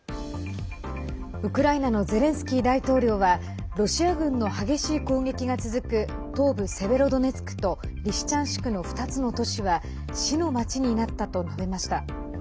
ウクライナのゼレンスキー大統領はロシア軍の激しい攻撃が続く東部セベロドネツクとリシチャンシクの２つの都市は死の街になったと述べました。